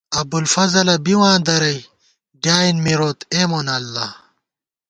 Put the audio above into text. ابوالفضلہ بِواں درَئی، ڈیایېن مروت اےمونہ اللہ